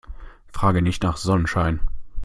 Frage nicht nach Sonnenschein.